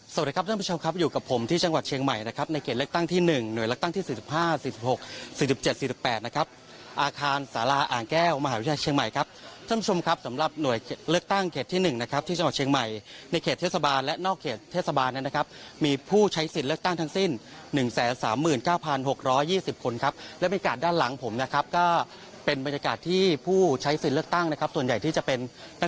สวัสดีครับท่านผู้ชมครับอยู่กับผมที่จังหวัดเชียงใหม่นะครับในเขตเลือกตั้งที่๑หน่วยเลือกตั้งที่๔๕๔๖๔๗๔๘นะครับอาคารสาราอ่างแก้วมหาวิทยาลัยเชียงใหม่ครับท่านผู้ชมครับสำหรับหน่วยเลือกตั้งเขตที่๑นะครับที่จังหวัดเชียงใหม่ในเขตเทศบาลและนอกเขตเทศบาลนะครับมีผู้ใช้สินเลือกตั้งทั้งสิ้น๑๓๙๖๒๐